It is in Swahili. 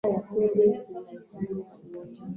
Mji mkuu ni Bururi.